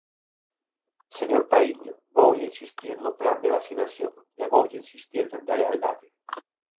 Señor Paíño, voulle insistir no plan de vacinación, e voulle insistir dende a lealdade.